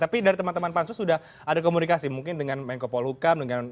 tapi dari teman teman pansus sudah ada komunikasi mungkin dengan menko polhukam